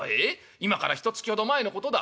今からひとつきほど前のことだ